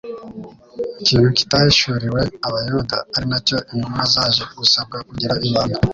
Ikintu kitahishuriwe Abayuda, ari na cyo intumwa zaje gusabwa kugira ibanga,